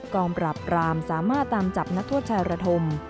กองปราบรามสามารถตามจับนักโทษชายระธม